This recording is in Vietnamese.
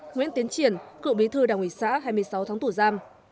nguyễn tiến triển cựu bí thư đảng ủy xã hai mươi sáu tháng tù giam